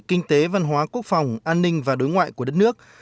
kinh tế văn hóa quốc phòng an ninh và đối ngoại của đất nước